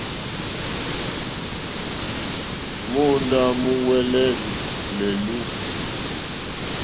Móǒndá múúŋwɛ̀lɛ̀ lɛ̀lú.